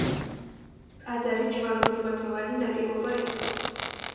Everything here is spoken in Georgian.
ტაძარი ჯვარგუმბათოვანი ნაგებობა იყო.